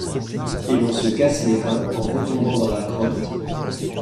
Et l’on se casse les reins, en retombant dans la crotte…